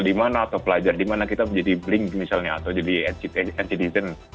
dimana atau pelajar dimana kita menjadi bling misalnya atau jadi antidizen